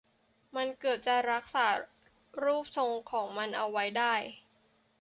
มันเกือบจะรักษารูปทรงของมันเอาไว้ได้